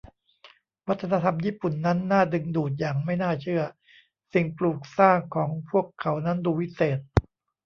วัฒนธรรมญี่ปุ่นนั้นน่าดึงดูดอย่างไม่น่าเชื่อ สิ่งปลูกสร้างของพวกเขานั้นดูวิเศษ